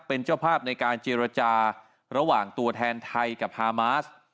เป็นเจ้าภาพในการเจรจาระหว่างตัวแทนไทยกับฮามาส